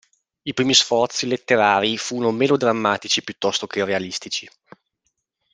I primi sforzi letterari furono melodrammatici piuttosto che realistici.